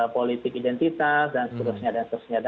politik identitas dan seterusnya